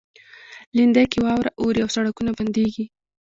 لېندۍ کې واوره اوري او سړکونه بندیږي.